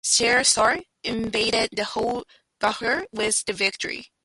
Sher Shah invaded the whole Bihar with the victory.